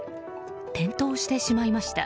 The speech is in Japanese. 転倒してしまいました。